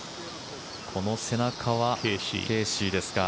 この背中はケーシーですか。